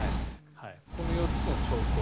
この４つの兆候